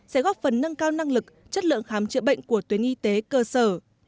sẽ góp phần nâng cao năng lực chất lượng khám chữa bệnh của tuyến y tế cơ sở